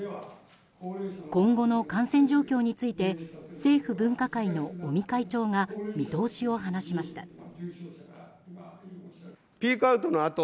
今後の感染状況について政府分科会の尾身会長が見通しを話しました。